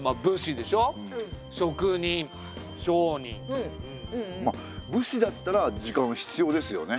うんえとまあ武士だったら時間は必要ですよね。